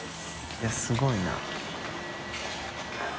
いやすごいな。